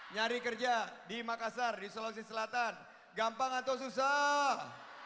nyari kerja di makassar di sulawesi selatan gampang atau susah